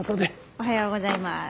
おはようございます。